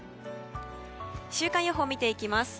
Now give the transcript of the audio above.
週間予報を見ていきます。